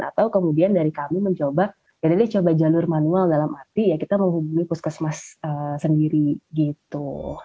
atau kemudian dari kami mencoba yaudah deh coba jalur manual dalam arti ya kita menghubungi puskesmas sendiri gitu